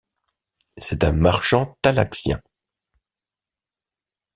C'est un marchand talaxien.